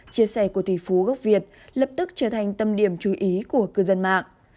chia sẻ của tỷ phú gốc việt lập tức trở thành tâm điểm chú ý của cư dân mạng